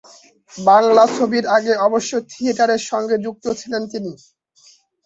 বাংলা ছবির আগে অবশ্য থিয়েটারের সঙ্গে যুক্ত ছিলেন তিনি।